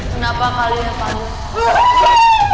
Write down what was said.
kenapa kali ya pak rete